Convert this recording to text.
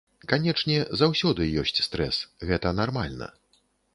Канечне, заўсёды ёсць стрэс, гэта нармальна.